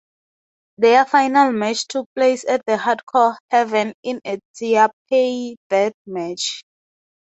Their final match took place at Hardcore Heaven in a Taipei Death match.